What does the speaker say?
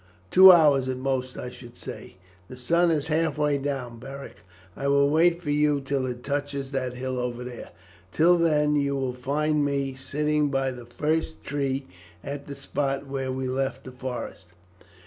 "Two hours at most, I should say." "The sun is halfway down, Beric; I will wait for you till it touches that hill over there. Till then you will find me sitting by the first tree at the spot where we left the forest."